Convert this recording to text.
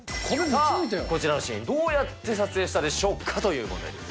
こちらのシーン、どうやって撮影したでしょうかという問題です。